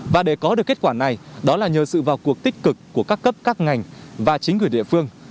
và để có được kết quả này đó là nhờ sự vào cuộc tích cực của các cấp các ngành và chính quyền địa phương